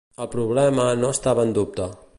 El problema no estava en dubte.